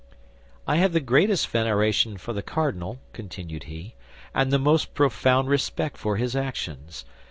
"I have the greatest veneration for the cardinal," continued he, "and the most profound respect for his actions.